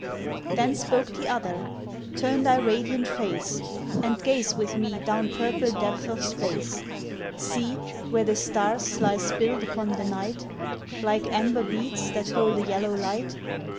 Then spoke the other: "Turn thy radiant face And gaze with me down purple depth of space. See, where the stars lie spilled upon the night, Like amber beads that hold a yellow light.